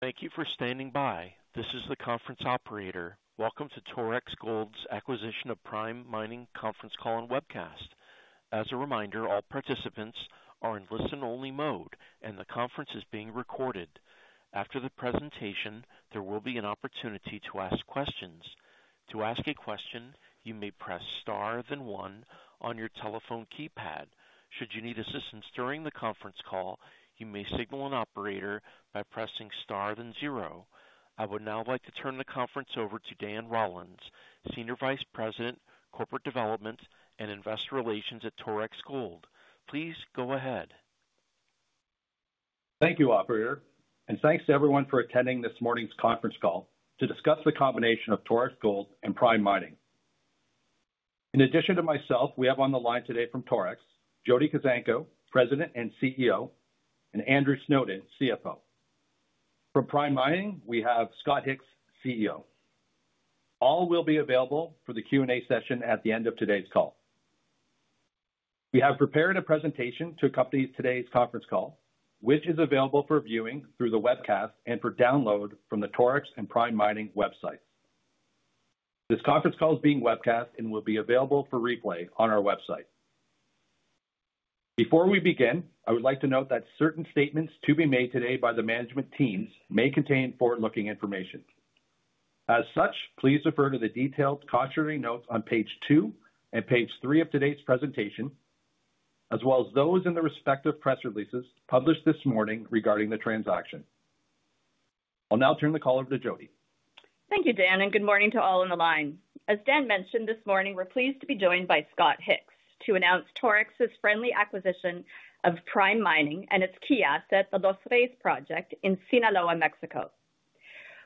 Thank you for standing by. This is the conference operator. Welcome to Torex Gold Resources Inc.'s acquisition of Prime Mining Corp. conference call and webcast. As a reminder, all participants are in listen-only mode and the conference is being recorded. After the presentation, there will be an opportunity to ask questions. To ask a question, you may press star then one on your telephone keypad. Should you need assistance during the conference call, you may signal an operator by pressing star then zero. I would now like to turn the conference over to Dan Rollins, Senior Vice President, Corporate Development and Investor Relations at Torex Gold Resources Inc. Please go ahead. Thank you, operator, and thanks to everyone for attending this morning's conference call to discuss the combination of Torex Gold and Prime Mining. In addition to myself, we have on the line today from Torex, Jody Kuzenko, President and CEO, and Andrew Snowden, CFO. From Prime Mining, we have Scott Hicks, CEO. All will be available for the Q and A session at the end of today's call. We have prepared a presentation to accompany today's conference call, which is available for viewing through the webcast and for download from the Torex and Prime Mining website. This conference call is being webcast and will be available for replay on our website. Before we begin, I would like to note that certain statements to be made today by the management teams may contain forward-looking information. As such, please refer to the detailed cautionary notes on page two and page three of today's presentation, as well as those in the respective press releases published this morning regarding the transaction. I'll now turn the call over to Jody. Thank you, Dan. Good morning to all on the line. As Dan mentioned this morning, we're pleased to be joined by Scott Hicks to announce this friendly acquisition of Prime Mining and its key asset, the Los Reyes Project in Sinaloa, Mexico.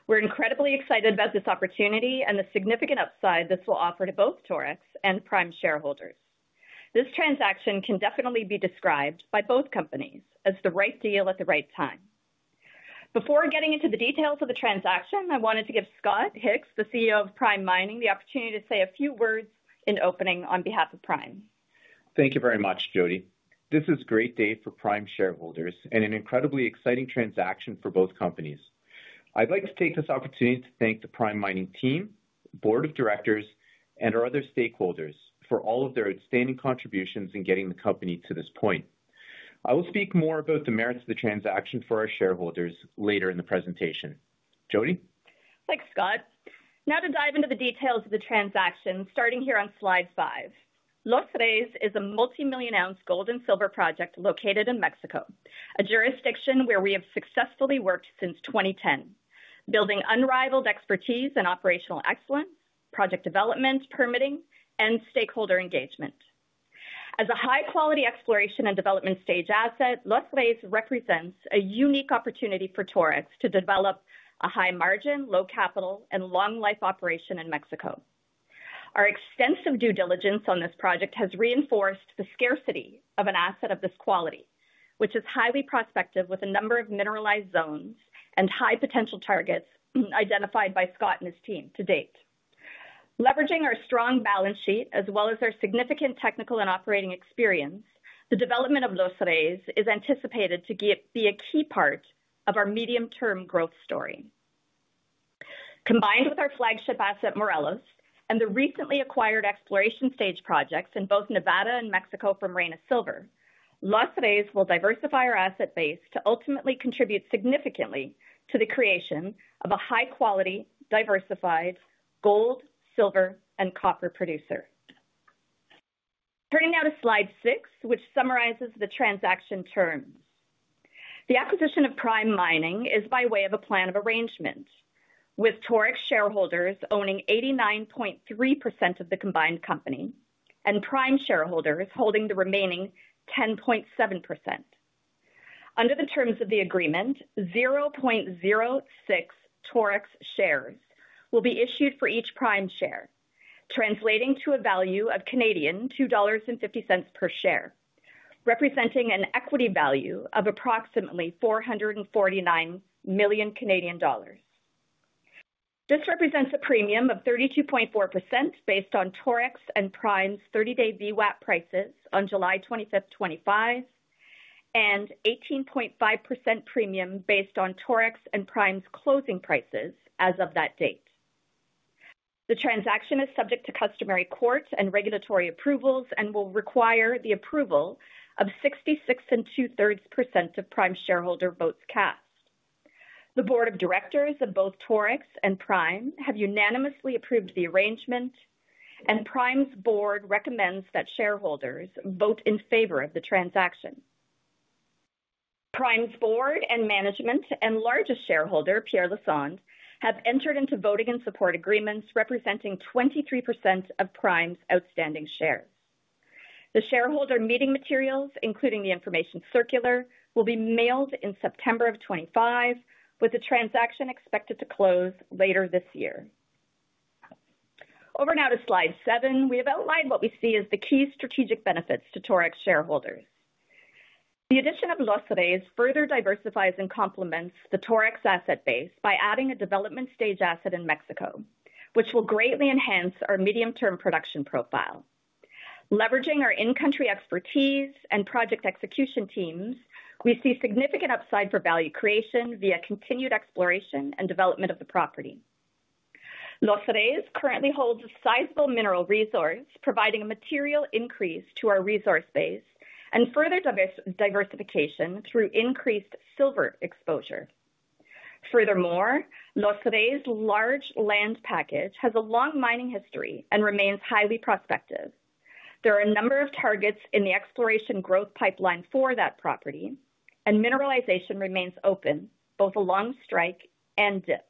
We're incredibly excited about this opportunity and the significant upside this will offer to both Torex and Prime shareholders. This transaction can definitely be described by both companies as the right deal at the right time. Before getting into the details of the transaction, I wanted to give Scott Hicks, the CEO of Prime Mining, the opportunity to say a few words in opening on behalf of Prime. Thank you very much, Jody. This is a great day for Prime shareholders and an incredibly exciting transaction for both companies. I'd like to take this opportunity to thank the Prime Mining team, Board of Directors, and our other stakeholders for all of their outstanding contributions in getting the company to this point. I will speak more about the merits of the transaction for our shareholders later in the presentation. Jody. Thanks Scott. Now to dive into the details of the transaction starting here on slide 5. Los Reyes is a multimillion ounce gold and silver project located in Mexico, a jurisdiction where we have successfully worked since 2010 building unrivaled expertise and operational excellence, project development, permitting, and stakeholder engagement. As a high quality exploration and development stage asset, Los Reyes represents a unique opportunity for Torex to develop a high margin, low capital, and long life operation in Mexico. Our extensive due diligence on this project has reinforced the scarcity of an asset of this quality, which is highly prospective with a number of mineralized zones and high potential targets identified by Scott and his team to date. Leveraging our strong balance sheet as well as our significant technical and operating experience, the development of Los Reyes is anticipated to be a key part of our medium term growth story. Combined with our flagship asset Morelos and the recently acquired exploration stage projects in both Nevada and Mexico from Reyna Silver, Los Reyes will diversify our asset base to ultimately contribute significantly to the creation of a high quality diversified gold, silver, and copper producer. Turning now to slide 6, which summarizes the transaction terms, the acquisition of Prime Mining is by way of a plan of arrangement with Torex shareholders owning 89.3% of the combined company and Prime shareholders holding the remaining 10.7%. Under the terms of the agreement, 0.06 Torex shares will be issued for each Prime share, translating to a value of C$2.50 per share, representing an equity value of approximately C$449 million. This represents a premium of 32.4% based on Torex and Prime's 30 day VWAP prices on 2025-07-25 and an 18.5% premium based on Torex and Prime's closing prices as of that date. The transaction is subject to customary court and regulatory approvals and will require the approval of 66 2/3% of Prime shareholder votes cast. The Board of Directors of both Torex and Prime have unanimously approved the arrangement, and Prime's board recommends that shareholders vote in favor of the transaction. Prime's board and management and largest shareholder Pierre Lassonde have entered into voting and support agreements representing 23% of Prime's outstanding. The shareholder meeting materials, including the information circular, will be mailed in September of 2025 with the transaction expected to close later this year. Over now to Slide 7, we have outlined what we see as the key strategic benefits to Torex shareholders. The addition of Los Reyes further diversifies and complements the Torex asset base by adding a development stage asset in Mexico, which will greatly enhance our medium-term production profile. Leveraging our in-country expertise and project execution teams, we see significant upside for value creation via continued exploration and development of the property. Los Reyes currently holds a sizable mineral resource, providing a material increase to our resource base and further diversification through increased silver exposure. Furthermore, Los Reyes' large land package has a long mining history and remains highly prospective. There are a number of targets in the exploration growth pipeline for that property, and mineralization remains open both along strike and dip.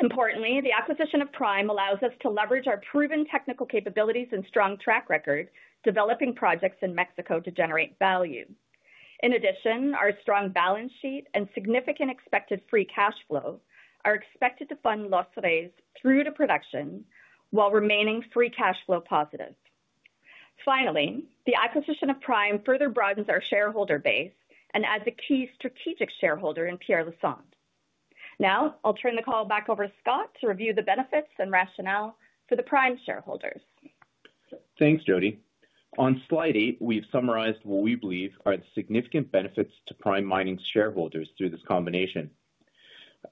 Importantly, the acquisition of Prime allows us to leverage our proven technical capabilities and strong track record developing projects in Mexico to generate value. In addition, our strong balance sheet and significant expected free cash flow are expected to fund Los Reyes through to production while remaining free cash flow positive. Finally, the acquisition of Prime further broadens our shareholder base and adds a key strategic shareholder in Pierre Lassonde. Now I'll turn the call back over to Scott to review the benefits and rationale for the Prime shareholders. Thanks Jody. On slide 8 we've summarized what we believe are the significant benefits to Prime Mining's shareholders. Through this combination,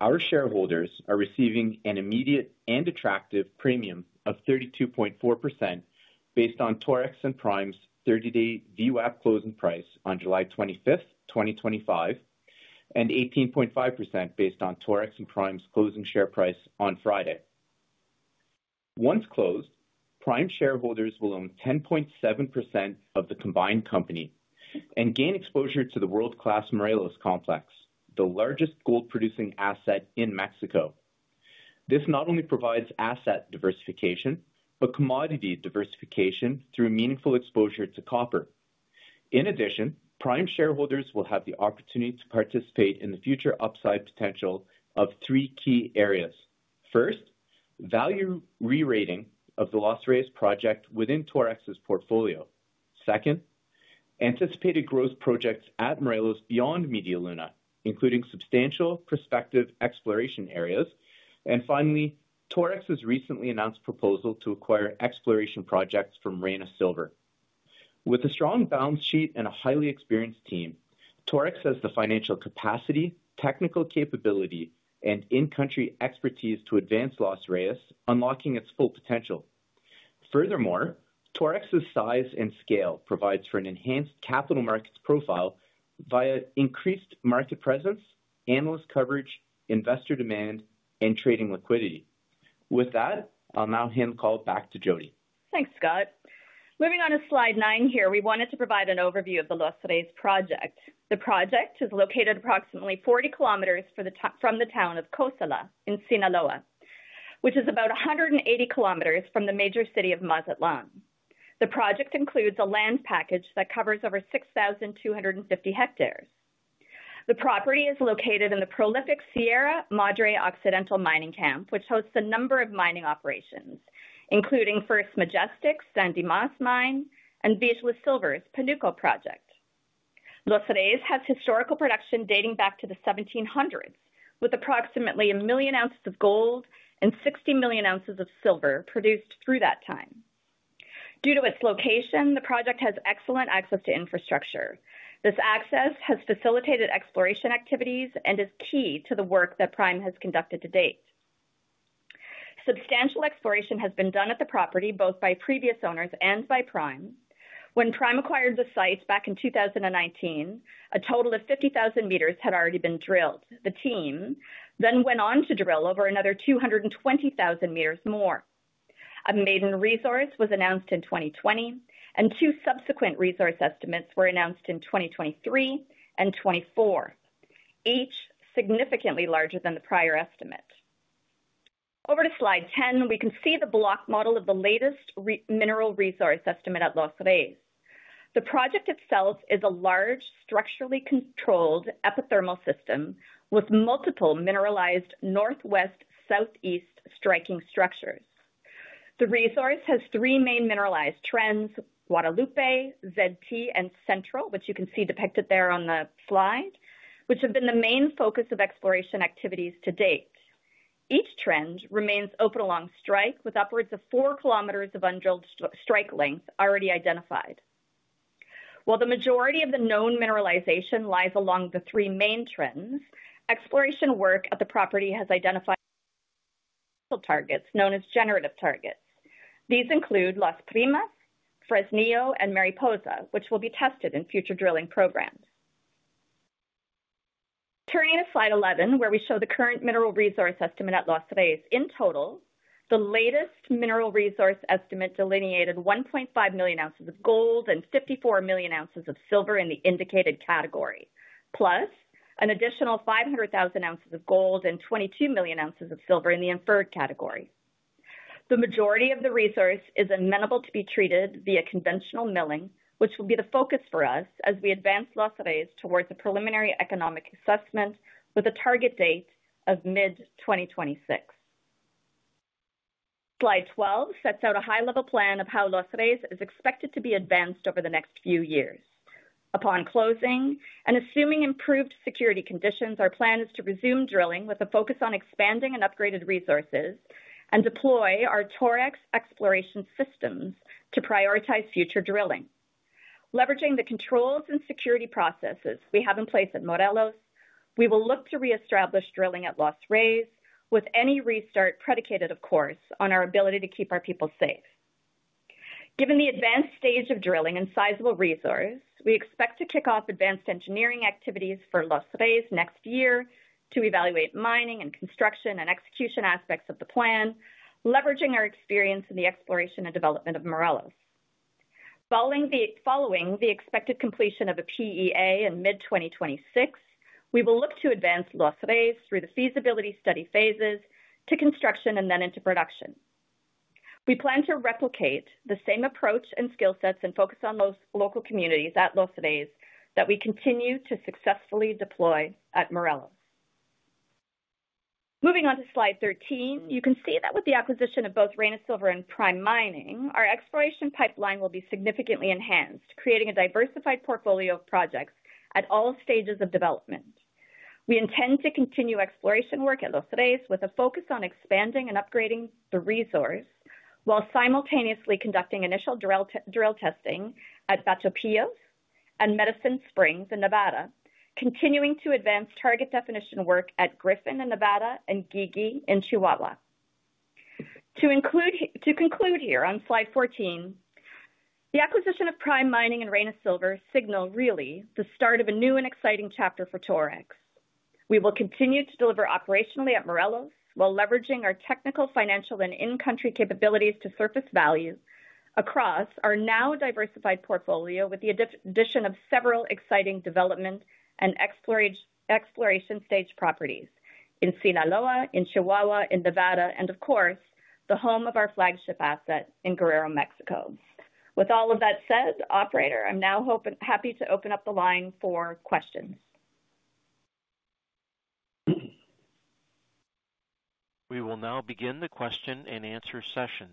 our shareholders are receiving an immediate and attractive premium of 32.4% based on Torex and Prime's 30-day VWAP closing price on July 25, 2025, and 18.5% based on Torex and Prime's closing share price on Friday. Once closed, Prime shareholders will own 10.7% of the combined company and gain exposure to the world-class Morelos Complex, the largest gold producing asset in Mexico. This not only provides asset diversification but commodity diversification through meaningful exposure to copper. In addition, Prime shareholders will have the opportunity to participate in the future upside potential of three key areas. First, value re-rating of the Los Reyes Project within Torex's portfolio. Second, anticipated growth projects at Morelos beyond Media Luna, including substantial prospective exploration areas, and finally, Torex's recently announced proposal to acquire exploration projects from Reyna Silver. With a strong balance sheet and a highly experienced team, Torex has the financial capacity, technical capability, and in-country expertise to advance Los Reyes, unlocking its full potential. Furthermore, Torex's size and scale provides for an enhanced capital markets profile via increased market presence, analyst coverage, investor demand, and trading liquidity. With that, I'll now hand the call back to Jody. Thanks Scott. Moving on to slide nine, here we wanted to provide an overview of the Los Reyes Project. The project is located approximately 40 km from the town of Cosalá in Sinaloa, which is about 180 km from the major city of Mazatlán. The project includes a land package that covers over 6,250 ha. The property is located in the prolific Sierra Madre Occidental mining camp, which hosts a number of mining operations including First Majestic's San Dimas Mine and Vizsla Silver's Panuco Project. Los Reyes has historical production dating back to the 1700s with approximately 1 million oz of gold and 60 million oz of silver produced through that time. Due to its location, the project has excellent access to infrastructure. This access has facilitated exploration activities and is key to the work that Prime has conducted to date. Substantial exploration has been done at the property both by previous owners and by Prime. When Prime acquired the site back in 2019, a total of 50,000 m had already been drilled. The team then went on to drill over another 220,000 m more. A maiden resource was announced in 2020 and two subsequent resource estimates were announced in 2023 and 2024, each significantly larger than the prior estimate. Over to slide 10, we can see the block model of the latest mineral resource estimate at Los Reyes. The project itself is a large structurally controlled epithermal system with multiple mineralized northwest-southeast striking structures. The resource has three main mineralized trends: Guadalupe, Z-T, and Central, which you can see depicted there on the slide, which have been the main focus of exploration activities to date. Each trend remains open along strike with upwards of 4 km of undrilled strike length already identified, while the majority of the known mineralization lies along the three main trends. Exploration work at the property has identified targets known as generative targets. These include Las Primas, Fresnillo, and Mariposa, which will be tested in future drilling programs. Turning to slide 11, where we show the current mineral resource estimate at Los Reyes. In total, the latest mineral resource estimate delineated 1.5 million oz of gold and 54 million oz of silver in the indicated category, plus an additional 500,000 oz of gold and 22 million oz of silver in the inferred category. The majority of the resource is amenable to be treated via conventional milling, which will be the focus for us as we advance Los Reyes towards a preliminary economic assessment with a target date of mid-2026. Slide 12 sets out a high-level plan of how Los Reyes is expected to be advanced over the next few years upon closing and assuming improved security conditions. Our plan is to resume drilling with a focus on expanding and upgrading resources and deploy our Torex exploration systems to prioritize future drilling, leveraging the controls and security processes we have in place at Morelos. We will look to reestablish drilling at Los Reyes with any restart predicated, of course, on our ability to keep our people safe given the advanced stage of drilling and sizable resource. We expect to kick off advanced engineering activities for Los Reyes next year to evaluate mining, construction, and execution aspects of the plan, leveraging our experience in the exploration and development of Morelos. Following the expected completion of a preliminary economic assessment in mid-2026, we will look to advance Los Reyes through the feasibility study phases to construction and then into production. We plan to replicate the same approach and skill sets and focus on local communities at Los Reyes that we continue to successfully deploy at Morelos. Moving on to slide 13, you can see that with the acquisition of both Reyna Silver and Prime Mining, our exploration pipeline will be significantly enhanced, creating a diversified portfolio of projects at all stages of development. We intend to continue exploration work at Los Reyes with a focus on expanding and upgrading the resource while simultaneously conducting initial drill testing at Batopilas and Medicine Springs in Nevada, continuing to advance target definition work at Griffin in Nevada and Gigi in Chihuahua. To conclude here on slide 14, the acquisition of Prime Mining and Reyna Silver signals really the start of a new and exciting chapter for Torex. We will continue to deliver operationally at Morelos while leveraging our technical, financial, and in-country capabilities to surface value across our now diversified portfolio with the addition of several exciting development and exploration stage properties in Sinaloa, in Chihuahua, in Nevada, and of course the home of our flagship asset in Guerrero, Mexico. With all of that said, operator, I'm now happy to open up the line for questions. We will now begin the question-and-answer session.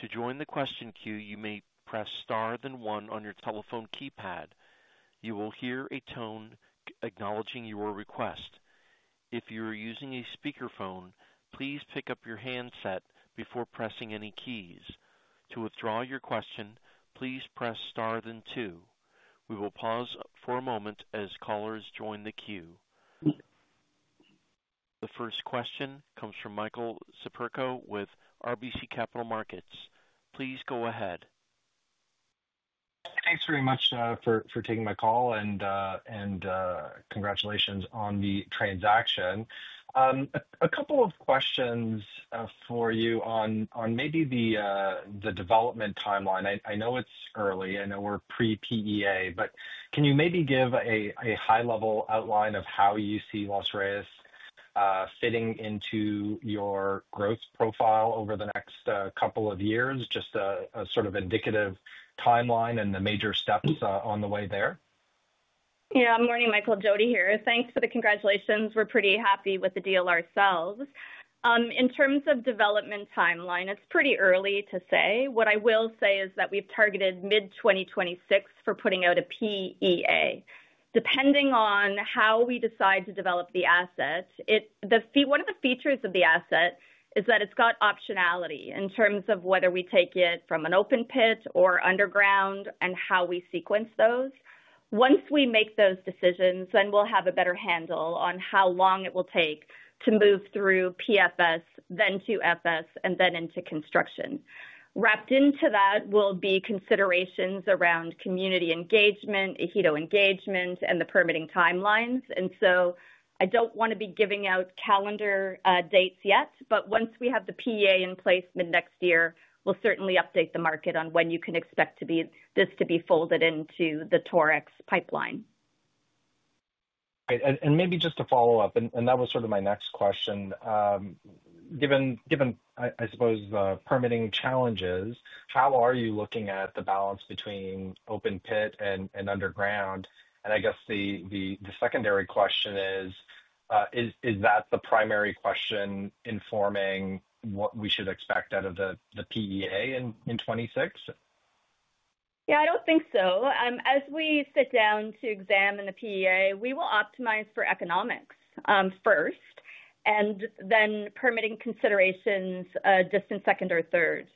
To join the question queue, you may press star then one on your telephone keypad. You will hear a tone acknowledging your request. If you are using a speakerphone, please pick up your handset before pressing any keys. To withdraw your question, please press star then two. We will pause for a moment as callers join the queue. The first question comes from Michael Sipirko with RBC Capital Markets. Please go ahead. Thanks very much for taking my call and congratulations on the transaction. A couple of questions for you on maybe the development timeline. I know it's early, I know we're pre PEA, but can you maybe give a high level outline of how you see Los Reyes fitting into your growth profile over the next couple of years? Just a sort of indicative timeline and the major steps on the way there. Yeah, good morning Michael, Jody here. Thanks for the congratulations. We're pretty happy with the deal ourselves in terms of development timeline. It's pretty early to say. What I will say is that we've targeted mid-2026 for putting out a PEA. Depending on how we decide to develop the asset, one of the features of the asset is that it's got optionality in terms of whether we take it from an open pit or underground and how we sequence those. Once we make those decisions, then we'll have a better handle on how long it will take to move through PFS, then to FS and then into construction. Wrapped into that will be considerations around community engagement, ejido engagement, and the permitting timelines. I don't want to be giving out calendar dates yet, but once we have the PEA in place mid next year, we'll certainly update the market on when you can expect this to be folded into the Torex pipeline. And. Maybe just to follow up. That was sort of my next question. Given, I suppose, the permitting challenges, how are you looking at the balance between open pit and underground? I guess the secondary question is, is that the primary question informing what we should expect out of the preliminary economic assessment in 2026? Yeah, I don't think so. As we sit down to examine the preliminary economic assessment, we will optimize for economics first and then permitting considerations a distant second or third.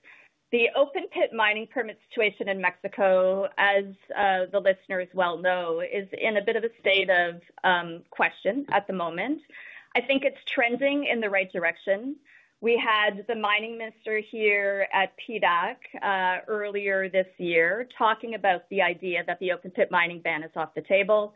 The open pit mining permit situation in Mexico, as the listeners well know, is in a bit of a state of question at the moment. I think it's trending in the right direction. We had the Mining Minister here at PDAC earlier this year talking about the idea that the open pit mining ban is off the table.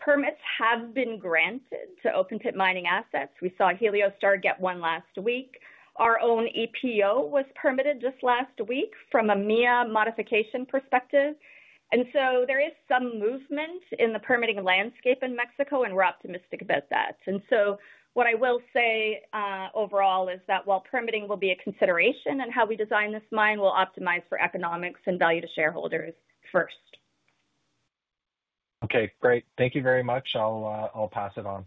Permits have been granted to open pit mining assets. We saw Heliostar get one last week. Our own EPO development was permitted just last week from a MIA modification perspective. There is some movement in the permitting landscape in Mexico and we're optimistic about that. What I will say overall is that while permitting will be a consideration in how we design this mine, we will optimize for economics and value to shareholders first. Okay, great. Thank you very much. I'll pass it on.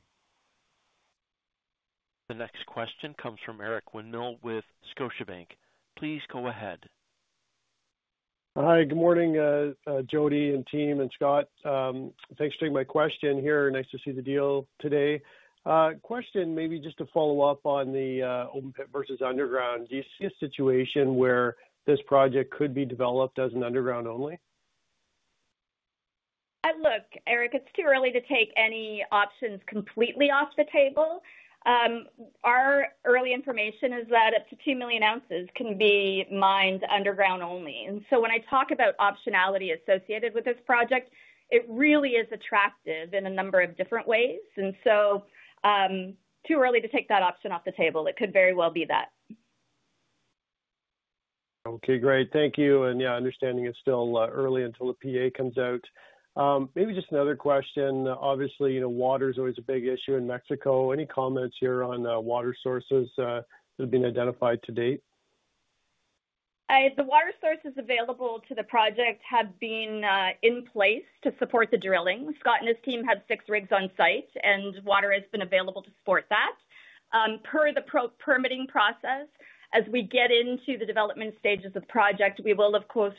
The next question comes from Eric Winmill with Scotiabank. Please go ahead. Hi, good morning Jody and team. Scott, thanks for taking my question here. Nice to see the deal today. Question, maybe just to follow up on the open pit versus underground, do you see a situation where this project could be developed as an underground only? Look, Eric, it's too early to take any options completely off the table. Our early information is that up to 2 million oz can be mined underground only. When I talk about optionality associated with this project, it really is attractive in a number of different ways. It's too early to take that option off the table. It could very well be that. Okay, great. Thank you. Yeah, understanding it's still early until the preliminary economic assessment comes out. Maybe just another question. Obviously, water is always a big issue in Mexico. Any comments here on water sources that have been identified? To date, the water sources available to the project have been in place to support the drilling. Scott and his team had six rigs on site, and water has been available to support that per the permitting process. As we get into the development stages of the project, we will of course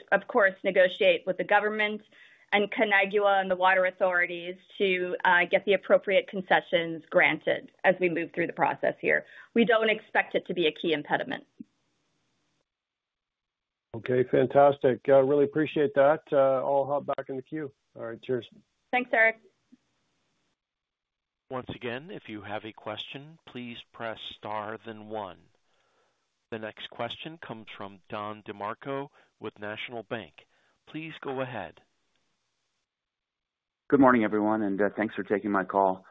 negotiate with the government and CONAGUA and the water authorities to get the appropriate concessions granted as we move through the process here. We don't expect it to be a key impediment. Okay, fantastic. Really appreciate that. I'll hop back in the queue. All right, cheers. Thanks, Eric. Once again, if you have a question, please press star then one. The next question comes from Don DeMarco with National Bank. Please go ahead. Good morning everyone and thanks for taking my call.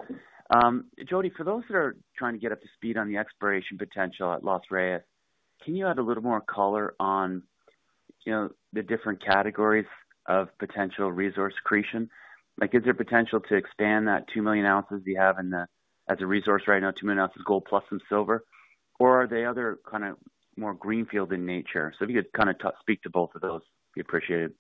Jody, for those that are trying to get up to speed on the exploration potential at Los Reyes, can you add a little more color on the different categories of potential resource accretion, like is there potential to expand that 2 million oz you have as a resource right now, 2 million oz gold plus some silver, or are there other kind of more greenfield in nature? If you could kind of speak to both of those, be appreciated.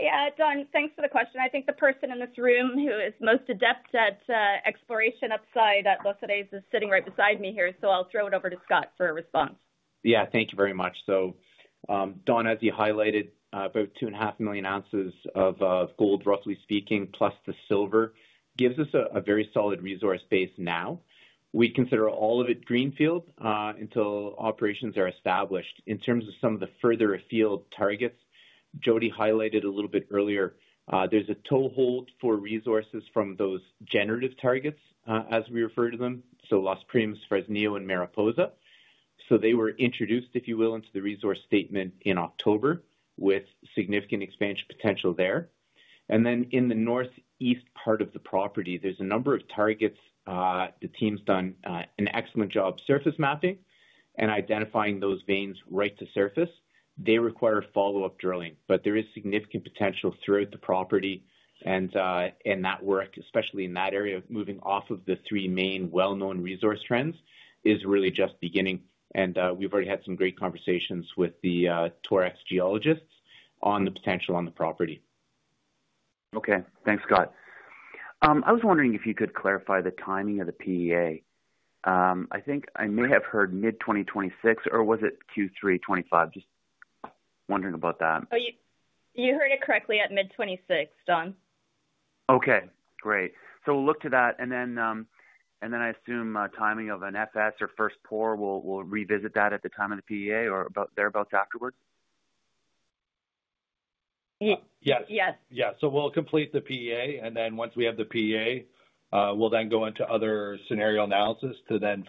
Yeah, Don, thanks for the question. I think the person in this room who is most adept at exploration upside at Los Reyes is sitting right beside me here. I'll throw it over to Scott for a response. Yeah, thank you very much. Don, as you highlighted, about 2.5 million oz of gold, roughly speaking, plus the silver gives us a very solid resource base. We consider all of it greenfield until operations are established. In terms of some of the further afield targets Jody highlighted a little bit earlier, there's a toehold for resources from those generative targets, as we refer to them. Las Primas, Fresnillo, and Mariposa were introduced, if you will, into the resource statement in October with significant expansion potential there. In the northeast part of the property there's a number of targets. The team's done an excellent job surface mapping and identifying those veins right to surface. They require follow up drilling, but there is significant potential throughout the property and that work, especially in that area, moving off of the three main well known resource trends, is really just beginning and we've already had some great conversations with the Torex geologists on the potential on the property. Okay, thanks, Scott. I was wondering if you could clarify the timing of the PEA. I think I may have heard mid-2026, or was it Q3 2025? Just wondering about that. You heard it correctly at mid-$26, Don. Okay, great. We will look to that, and then I assume timing of an FS or first pour will revisit that at the time of the PEA or thereabouts afterwards. Yes, Yes. Yeah. complete the preliminary economic assessment and then once we have the PEA, we'll go into other scenario analysis to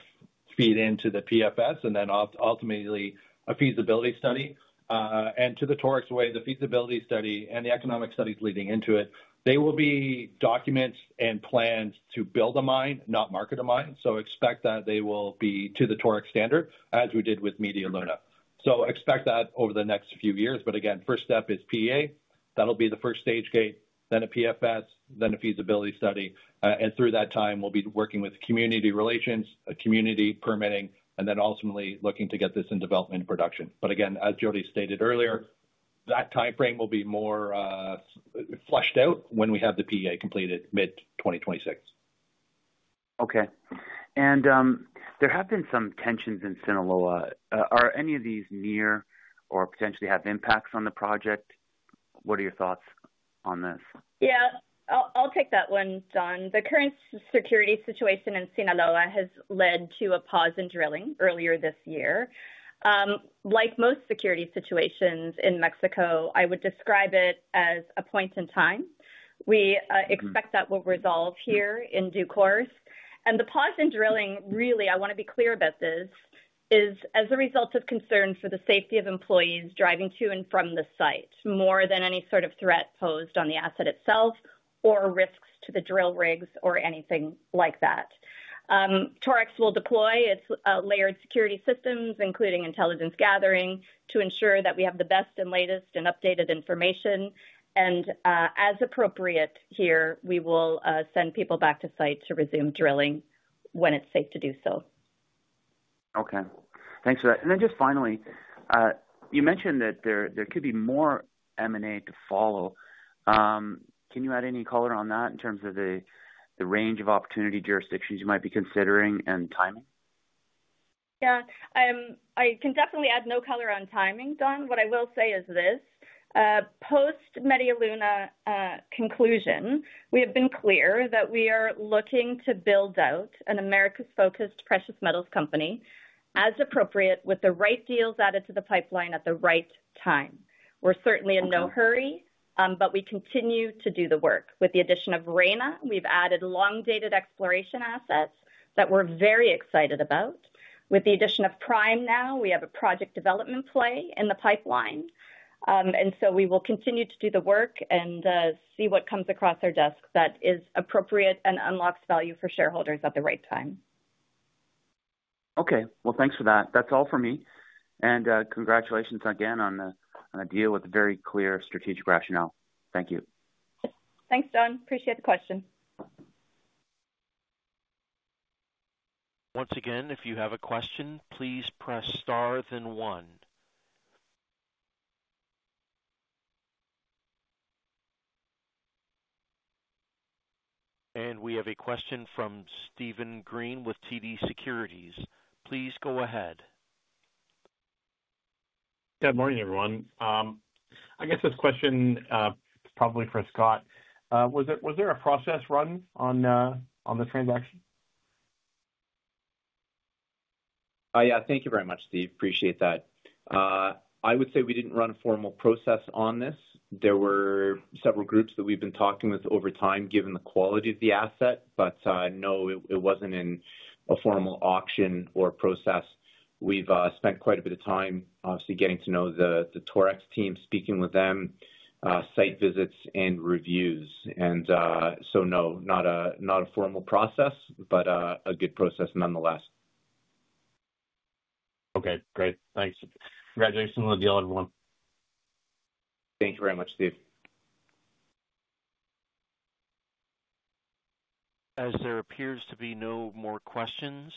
feed into the pre-feasibility study and ultimately a feasibility study. In the Torex way, the feasibility study and the economic studies leading into it will be documents and plans to build a mine, not market a mine. Expect that they will be to the Torex standard, as we did with Media Luna. Expect that over the next few years. Again, first step is the preliminary economic assessment. That'll be the first stage gate, then a pre-feasibility study, then a feasibility study. Through that time, we'll be working with community relations, community permitting, and ultimately looking to get this in development production. As Jody stated earlier, that timeframe will be more flushed out when we have the PEA completed mid-2026. Okay. There have been some tensions in Sinaloa. Are any of these near or potentially have impacts on the project? What are your thoughts on this? Yeah, I'll take that one, John. The current security situation in Sinaloa has led to a pause in drilling earlier this year. Like most security situations in Mexico, I would describe it as a point in time. We expect that will resolve here in due course. The pause in drilling, really, I want to be clear about this, is as a result of concern for the safety of employees driving to and from the site, more than any sort of threat posed on the asset itself or risks to the drill rigs or anything like that. Torex will deploy its layered security systems, including intelligence gathering, to ensure that we have the best and latest and updated information. As appropriate here, we will send people back to site to resume drilling when it's safe to do so. Okay, thanks for that. Finally, you mentioned that there could be more M&A to follow. Can you add any color on that in terms of the range of opportunity jurisdictions you might be considering and timing? Yeah, I can definitely add no color on timing. Dawn, what I will say is this post Media Luna conclusion, we have been clear that we are looking to build out an Americas-focused precious metals company as appropriate, with the right deals added to the pipeline at the right time. We're certainly in no hurry, but we continue to do the work. With the addition of Reyna Silver, we've added long-dated exploration assets that we're very excited about. With the addition of Prime Mining, now we have a project development play in the pipeline. We will continue to do the work and see what comes across our desk that is appropriate and unlocks value for shareholders at the right time. Okay, thanks for that. That's all for me, and congratulations again on a deal with very clear strategic rationale. Thank you. Thanks, John. Appreciate the question. Once again, if you have a question, please press star then one. We have a question from Stephen Green with TD Securities. Please go ahead. Good morning, everyone. I guess this question probably for Scott. Was there a process run on the transaction? Yeah, thank you very much, Steve. Appreciate that. I would say we didn't run a formal process on this. There were several groups that we've been talking with over time, given the quality of the asset. No, it wasn't in a formal auction or process. We've spent quite a bit of time, obviously getting to know the Torex team, speaking with them, site visits and reviews, so no, not a formal process, but a good process nonetheless. Okay, great. Thanks. Congratulations on the deal, everyone. Thank you very much, Steve. As there appears to be no more questions,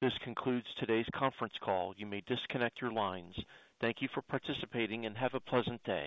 this concludes today's conference call. You may disconnect your lines. Thank you for participating and have a pleasant day.